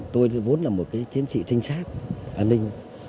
tôi vốn là một cái chiến sĩ trinh sát an ninh